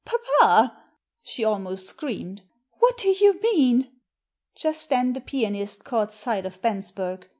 — Papa !" she almost screamed. " What do you mean?" Just then the pianist caught sight of Bensberg.